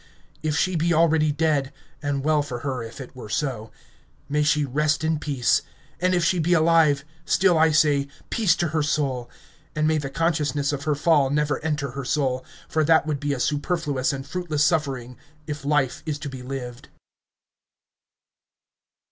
If she be already dead and well for her if it were so may she rest in peace! And if she be alive ... still I say "Peace to her soul!" And may the consciousness of her fall never enter her soul ... for that would be a superfluous and fruitless suffering if life is to be lived...